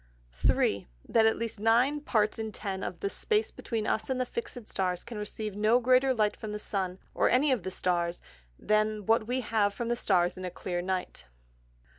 3. That at least Nine Parts in Ten of the Space between us and the fix'd Stars, can receive no greater Light from the Sun, or any of the Stars, than what we have from the Stars in a clear Night.